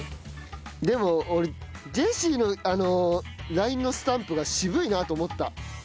でも俺ジェシーのＬＩＮＥのスタンプが渋いなと思った。